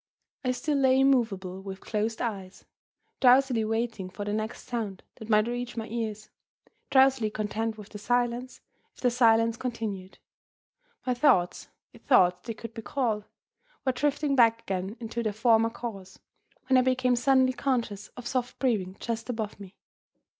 I still lay immovable, with closed eyes; drowsily waiting for the next sound that might reach my ears; drowsily content with the silence, if the silence continued. My thoughts (if thoughts they could be called) were drifting back again into their former course, when I became suddenly conscious of soft breathing just above me.